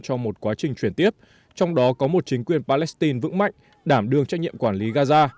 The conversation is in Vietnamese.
và chuyển tiếp trong đó có một chính quyền palestine vững mạnh đảm đường trách nhiệm quản lý gaza